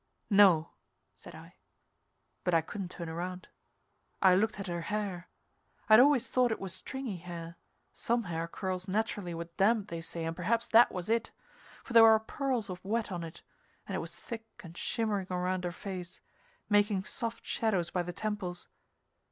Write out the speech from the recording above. "No," said I. But I couldn't turn around. I looked at her hair. I'd always thought it was stringy hair. Some hair curls naturally with damp, they say, and perhaps that was it, for there were pearls of wet on it, and it was thick and shimmering around her face, making soft shadows by the temples.